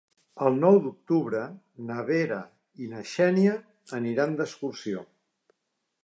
El nou d'octubre na Vera i na Xènia aniran d'excursió.